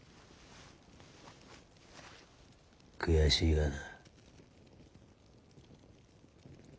悔しいがな。